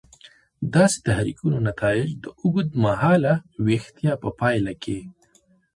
داسې تحریکونو نتایج د اوږد مهاله ویښتیا په پایله کې.